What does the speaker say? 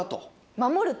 守る！と。